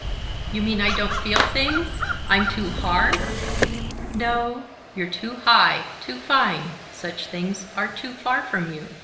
"You mean I don't feel things I'm too hard?" "No: you're too high ... too fine ... such things are too far from you."